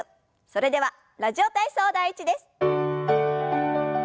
それでは「ラジオ体操第１」です。